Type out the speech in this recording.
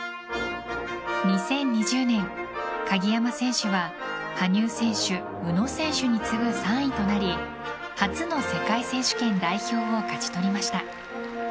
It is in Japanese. ２０２０年鍵山選手は羽生選手宇野選手に次ぐ３位となり初の世界選手権代表を勝ち取りました。